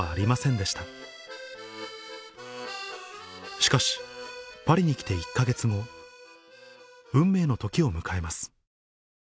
しかしパリに来て１か月後運命の時を迎えます